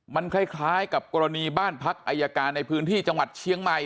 มันคล้ายกับกรณีบ้านพักอายการในพื้นที่จังหวัดเชียงใหม่